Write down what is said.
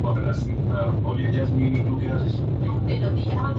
Sus padres fueron Esteban de Orejón y Victoria de Aparicio.